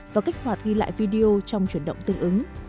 và kích hoạt ghi lại video trong chuyển động tương ứng